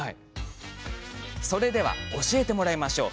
それでは、教えてもらいましょう。